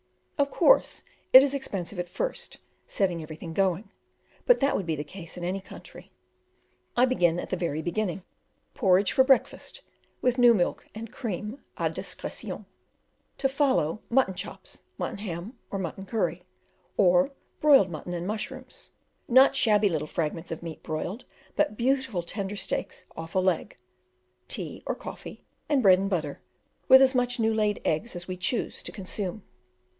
Of course, it is expensive at first, setting everything going, but that would be the case in any country. I will begin at the very beginning: Porridge for breakfast, with new milk and cream a discretion; to follow mutton chops, mutton ham, or mutton curry, or broiled mutton and mushrooms, not shabby little fragments of meat broiled, but beautiful tender steaks off a leg; tea or coffee, and bread and butter, with as many new laid eggs as we choose to consume.